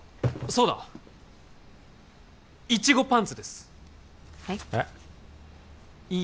そうだいちごパンツですはい？